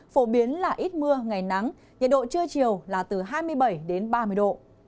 phổ biến là ít mưa ngày nắng nhiệt độ trưa chiều là từ hai mươi bảy đến ba mươi độ